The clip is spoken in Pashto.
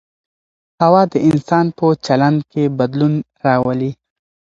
هوا د انسان په چلند کي بدلون راولي.